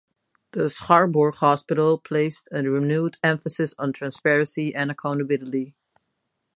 The Scarborough Hospital placed a renewed emphasis on transparency and accountability.